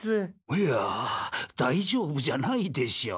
いやだいじょうぶじゃないでしょう。